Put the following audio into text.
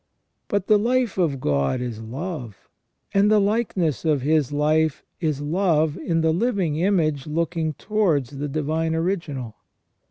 * But the life of God is love, and the likeness of His life is love in the living image looking towards the divine original.